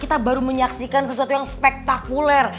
kita baru menyaksikan sesuatu yang spektakuler